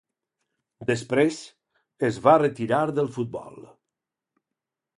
Després, es va retirar del futbol.